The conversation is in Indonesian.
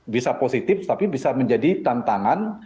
bisa positif tapi bisa menjadi tantangan